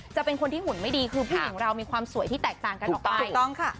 จะเป็นคนที่หุ่นไม่ดีคือผู้หญิงเรามีความสวยที่แตกต่างกันออกไปถูกต้องค่ะ